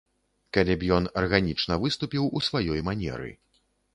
Калі б ён арганічна выступіў у сваёй манеры.